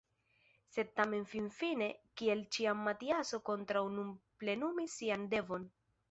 Sed tamen finfine kiel ĉiam Matiaso kontraŭ nun plenumis sian devon.